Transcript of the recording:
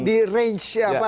di range apa